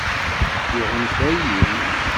Iɣunfa-yi?